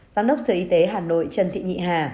giám đốc sở y tế hà nội trần thị nhị hà